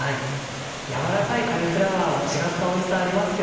軟らかいカリフラワーは違ったおいしさありますよね。